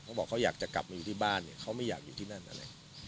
เขาบอกเขาอยากจะกลับมาอยู่ที่บ้านเนี่ยเขาไม่อยากอยู่ที่นั่นอะไร